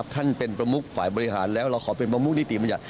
ท่านเป็นประมุขฝ่าบริหารแล้วเราขอไปประมาณนิติบรรยากร